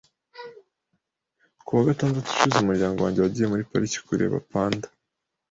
Ku wa gatandatu ushize, umuryango wanjye wagiye muri pariki kureba panda.